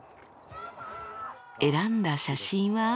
選んだ写真は。